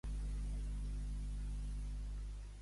Què va fer Licimni amb aquest i Alcmena?